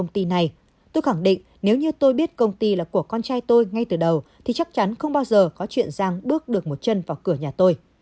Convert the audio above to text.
tôi khẳng định nếu như tôi biết công ty là của con trai tôi ngay từ đầu thì chắc chắn không bao giờ có chuyện giang bước được một chân vào cửa nhà tôi